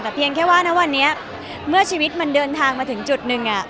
แต่เพียงแค่ว่าณวันนี้เมื่อชีวิตมันเดินทางมาถึงจุดหนึ่ง